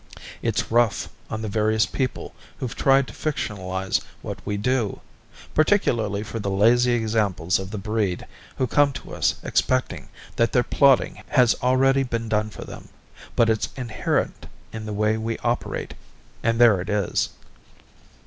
It's rough on the various people who've tried to fictionalize what we do particularly for the lazy examples of the breed, who come to us expecting that their plotting has already been done for them but it's inherent in the way we operate, and there it is.